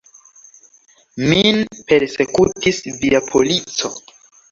Min persekutis via polico.